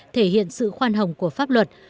thể hiện sự khoan hồng của pháp luật